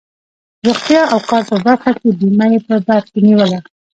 روغتیا او کار په برخه کې بیمه یې په بر کې نیوله.